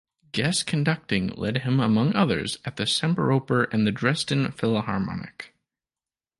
Guest conducting led him among others at the Semperoper and the Dresden Philharmonic.